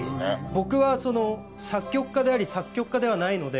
僕は作曲家であり作曲家ではないので。